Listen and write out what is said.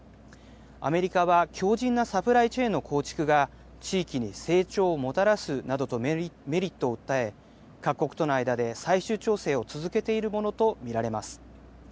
アメリカは強じんなサプライチェーンの構築が地域に成長をもたらすなどとメリットを訴え、各国との間で最終調整を続けているものと見られます。